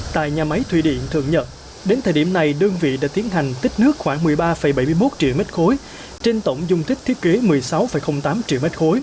tại nhà máy thủy điện thượng nhật đến thời điểm này đơn vị đã tiến hành tích nước khoảng một mươi ba bảy mươi một triệu m ba trên tổng dung tích thiết kế một mươi sáu tám triệu m ba